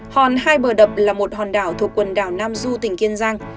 hòn hai bờ đập là một hòn đảo thuộc quần đảo nam du tỉnh kiên giang